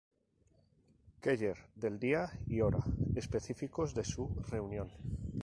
Keller del día y hora específicos de su reunión.